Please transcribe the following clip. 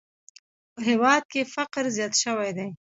په هېواد کې فقر زیات شوی دی!